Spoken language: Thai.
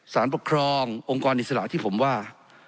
สารปกครององค์กรอิสระที่ผมว่า